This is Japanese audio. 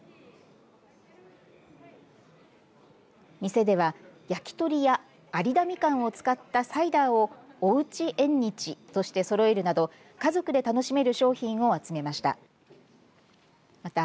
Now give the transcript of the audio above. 店では焼き鳥や有田みかんを使ったサイダーをおうち縁日としてそろえるなど家族で楽しめる商品を集めました。